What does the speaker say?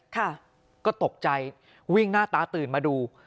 ค่ะก็ตกใจวิ่งหน้าตาตื่นมาดู